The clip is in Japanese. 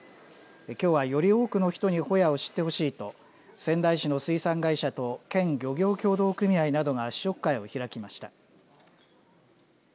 きょうはより多くの人にほやを知ってほしいと仙台市の水産会社と県漁業協同組合などが試食会を開きました。